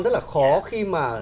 rất là khó khi mà